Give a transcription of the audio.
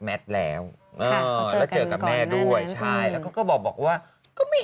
แล้วแล้วเจอกับแม่ด้วยใช่แล้วเขาก็บอกว่าก็ไม่